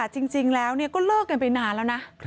จริงแล้วก็เลิกกันไปนานแล้วนะ